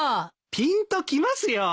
ピンときますよ。